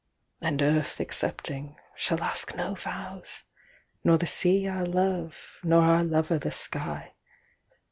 And Earth accepting shall ask no vows, Nor the Sea our love, nor our lover the Sky.